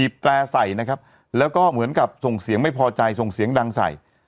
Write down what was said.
แตร่ใส่นะครับแล้วก็เหมือนกับส่งเสียงไม่พอใจส่งเสียงดังใส่